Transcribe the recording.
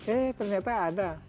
eh ternyata ada